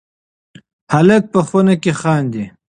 هلک په خونه کې خاندي.